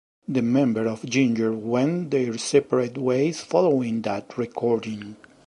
The members of Ginger went their separate ways following that recording.